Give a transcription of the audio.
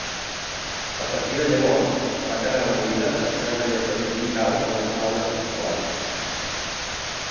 A partir de llavors, va quedar reduïda a ser una lletra dominical en les taules pasquals.